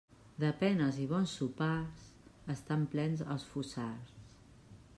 De penes i bons sopars estan plens els fossars.